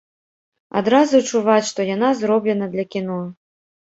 Адразу чуваць, што яна зроблена для кіно.